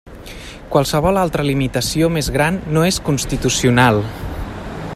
Qualsevol altra limitació més gran no és constitucional.